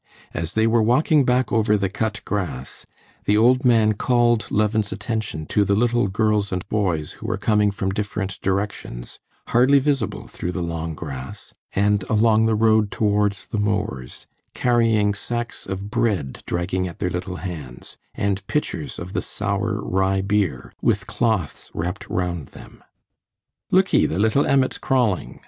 As they were walking back over the cut grass, the old man called Levin's attention to the little girls and boys who were coming from different directions, hardly visible through the long grass, and along the road towards the mowers, carrying sacks of bread dragging at their little hands and pitchers of the sour rye beer, with cloths wrapped round them. "Look'ee, the little emmets crawling!"